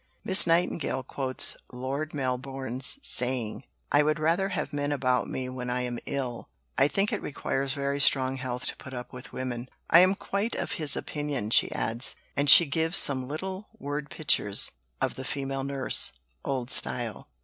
Miss Nightingale quotes Lord Melbourne's saying: "I would rather have men about me when I am ill; I think it requires very strong health to put up with women." "I am quite of his opinion," she adds, and she gives some little word pictures of the female nurse (old style).